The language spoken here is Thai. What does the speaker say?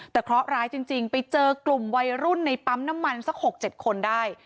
แต่เคราะห์ร้ายจริงไปเจอกลุ่มวัยรุ่นในปั๊มน้ำมันสัก๖๗คนได้